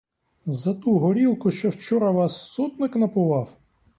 За ту горілку, що вчора вас сотник напував?